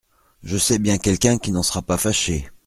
Je sais bien quelqu'un qui n'en sera pas fâché.